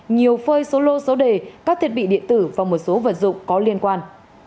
nhiều phơi số lô số đề các thiết bị điện tử và một số vật dụng có liên quan